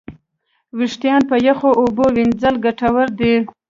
وېښتيان په یخو اوبو وینځل ګټور دي.